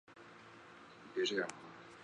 它以有时不变红就成熟而得名。